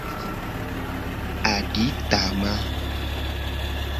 Aditama.